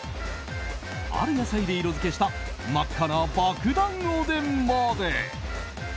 ある野菜で色づけした真っ赤なばくだんおでんまで。